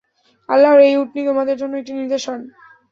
আল্লাহর এই উটনী তোমাদের জন্যে একটি নিদর্শন।